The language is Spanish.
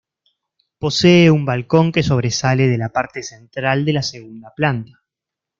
Posee un balcón que sobresale de la parte central de la segunda planta.